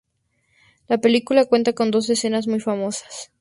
La película cuenta con dos escenas muy famosas.